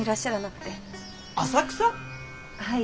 はい。